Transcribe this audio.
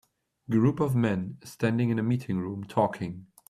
Group of men standing in a meeting room, talking.